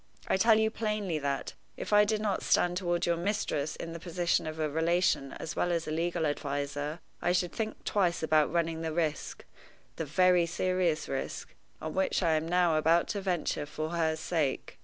I tell you plainly that, if I did not stand toward your mistress in the position of a relation as well as a legal adviser, I should think twice about running the risk the very serious risk on which I am now about to venture for her sake.